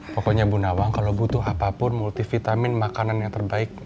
pokoknya bu nawang kalau butuh apapun multivitamin makanan yang terbaik